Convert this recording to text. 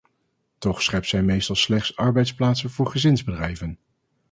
Toch schept zij meestal slechts arbeidsplaatsen voor gezinsbedrijven.